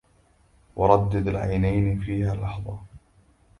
وردِّد العينين فيها لحظا